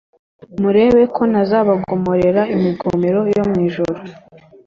murebe ko ntazabagomororera imigomero yo mu ijuru